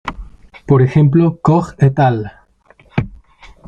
Por ejemplo, Koch et al.